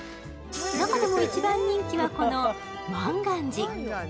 中でも一番人気は万願寺。